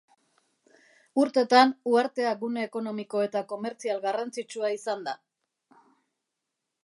Urtetan, uhartea gune ekonomiko eta komertzial garrantzitsua izan da.